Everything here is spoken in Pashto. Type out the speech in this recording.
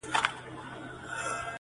زه خوارکی يم، لکه ټپه انتظار~